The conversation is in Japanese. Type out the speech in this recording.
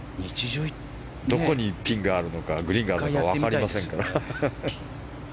どこにピンがあるのかグリーンがあるか分かりません。